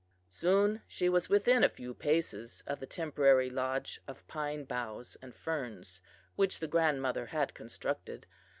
"Soon she was within a few paces of the temporary lodge of pine boughs and ferns which the grandmother had constructed.